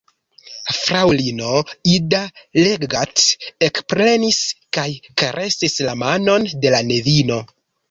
Fraŭlino Ida Leggat ekprenis kaj karesis la manon de la nevino.